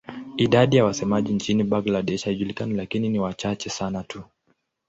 Idadi ya wasemaji nchini Bangladesh haijulikani lakini ni wachache sana tu.